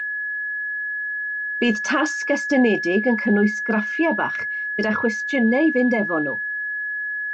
Bydd tasg estynedig yn cynnwys graffiau bach gyda chwestiynau i fynd efo nhw